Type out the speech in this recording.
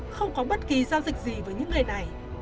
không có bất kỳ giao dịch gì với những người này